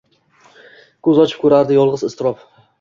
Ko’z ochib ko’rardi yolg’iz iztirob.